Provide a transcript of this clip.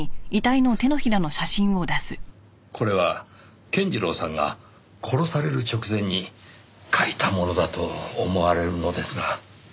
これは健次郎さんが殺される直前に書いたものだと思われるのですが。